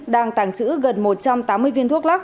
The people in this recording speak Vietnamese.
đang tàng trữ gần một trăm tám mươi viên thuốc lắc